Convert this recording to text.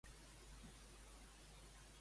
Van aconseguir el seu fill esperat?